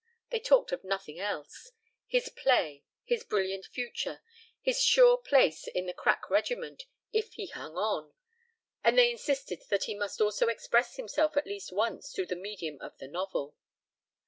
They talked of nothing else: his play, his brilliant future, his sure place in the crack regiment "if he hung on"; and they insisted that he must also express himself at least once through the medium of the novel.